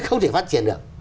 không thể phát triển được